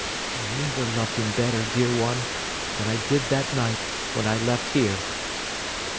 I never loved him better, dear one, than I did that night when I left here.